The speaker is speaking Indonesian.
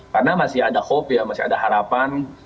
karena masih ada hope masih ada harapan